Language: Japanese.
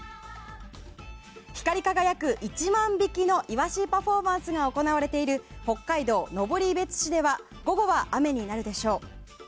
光り輝く１万匹のイワシパフォーマンスが行われている北海道登別市では午後は雨になるでしょう。